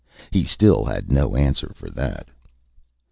He still had no answer for that.